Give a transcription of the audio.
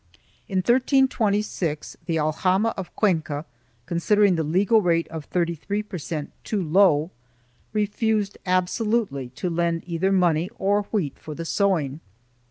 4 In 1326 the aljama of Cuenca, considering the legal rate of 33i per cent, too low, refused absolutely to lend either money or wheat for the sowing.